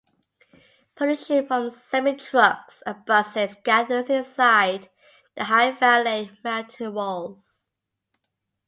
Pollution from semi-trucks and buses gathers inside the high valley mountain walls.